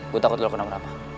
gua takut lo kena kenapa